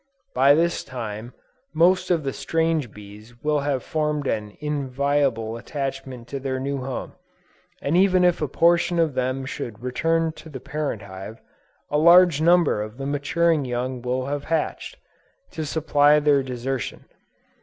By this time, most of the strange bees will have formed an inviolable attachment to their new home, and even if a portion of them should return to the parent hive, a large number of the maturing young will have hatched, to supply their desertion.